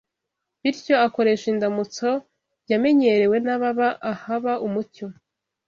bityo akoresha indamutso yamenyerewe n’ababa ahaba umucyo